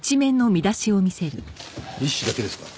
一紙だけですか？